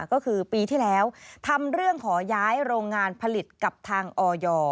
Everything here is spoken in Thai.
ก็คือปีที่แล้วทำเรื่องขอย้ายโรงงานผลิตกับทางออย